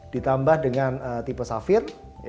ditambah dengan tipe safir